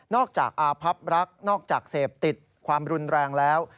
จากอาพับรักนอกจากเสพติดความรุนแรงแล้ว